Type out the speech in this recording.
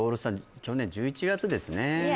去年１１月ですねいや